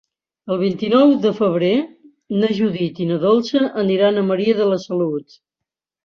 El vint-i-nou de febrer na Judit i na Dolça aniran a Maria de la Salut.